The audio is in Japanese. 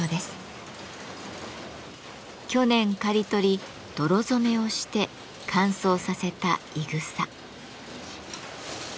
去年刈り取り泥染めをして乾燥させたいぐさ。